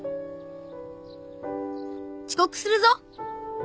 遅刻するぞ。